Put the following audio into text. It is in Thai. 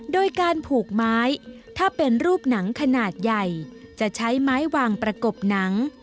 โดยการผูกไม้ถ้าเป็นรูปหนังขนาดใหญ่จะใช้ไม้วางประกบหนัง